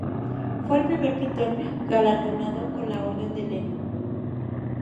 Fue el primer pintor galardonado con la Orden de Lenin.